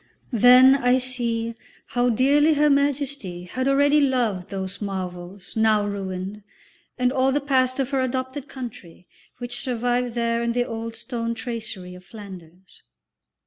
Then I see how dearly Her Majesty had already loved those marvels now ruined, and all the past of her adopted country, which survived there in the old stone tracery of Flanders.